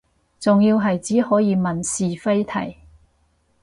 仲要係只可以問是非題